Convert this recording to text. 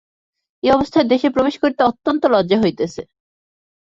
এ অবস্থার দেশে প্রবেশ করিতে অত্যন্ত লজ্জা হইতেছে।